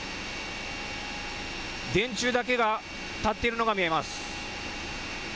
電柱だけが立っているのが見えます。